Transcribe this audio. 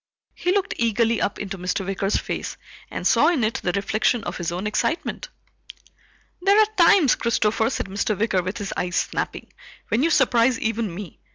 He looked eagerly up into Mr. Wicker's face and saw in it the reflection of his own excitement. "There are times, Christopher," said Mr. Wicker with his eyes snapping, "when you surprise even me.